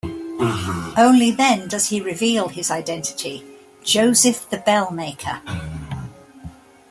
Only then does he reveal his identity: Joseph the Bellmaker!